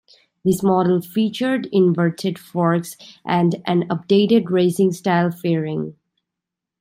This model featured inverted forks and an updated racing-style fairing.